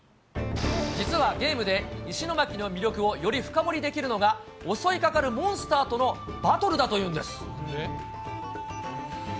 実はゲームで、石巻の魅力をより深掘りできるのが、襲いかかるモンスターとのバトルだというんです。